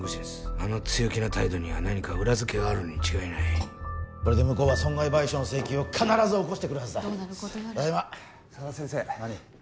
あの強気な態度には何か裏付けがあるに違いないこれで向こうは損害賠償の請求を必ず起こしてくるはずだどうなることやら佐田先生何？